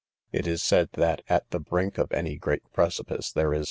It is said, that at the "brink of any great precipice, there ir.